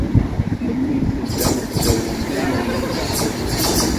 Melmi ay tebdam tzerrwem tanglizit?